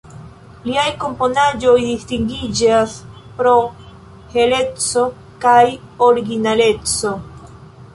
Liaj komponaĵoj distingiĝas pro heleco kaj originaleco.